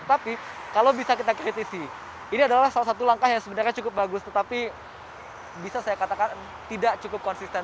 tapi kalau bisa kita kritisi ini adalah salah satu langkah yang sebenarnya cukup bagus tetapi bisa saya katakan tidak cukup konsisten